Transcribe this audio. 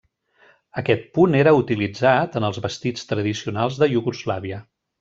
Aquest punt era utilitzat en els vestits tradicionals de Iugoslàvia.